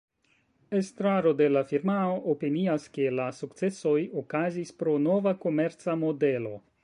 Estraro de la firmao opinias, ke la sukcesoj okazis pro nova komerca modelo.